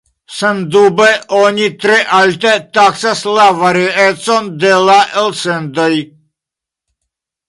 Sendube oni tre alte taksas la variecon de la elsendoj.